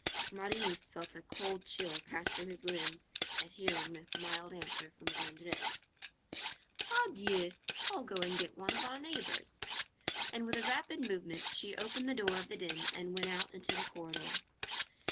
Marius felt a cold chill pass through his limbs at hearing this mild answer from Jondrette. "Pardieu! I'll go and get one of our neighbor's." And with a rapid movement, she opened the door of the den, and went out into the corridor.